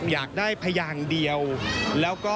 อยากได้พะยางเดียว